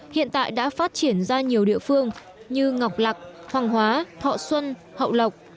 hiện tại đã phát triển ra nhiều địa phương như ngọc lạc hoàng hóa thọ xuân hậu lộc